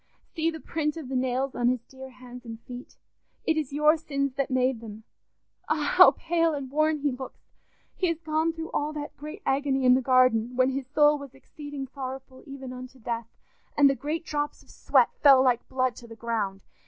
"See the print of the nails on his dear hands and feet. It is your sins that made them! Ah! How pale and worn he looks! He has gone through all that great agony in the garden, when his soul was exceeding sorrowful even unto death, and the great drops of sweat fell like blood to the ground.